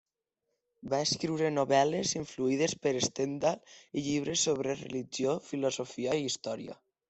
Va escriure novel·les influïdes per Stendhal i llibres sobre religió, filosofia i història.